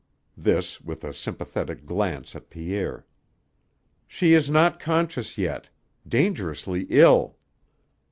This, with a sympathetic glance at Pierre. "She is not conscious yet. Dangerously ill."